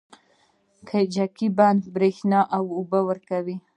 کجکي بند بریښنا او اوبه ورکوي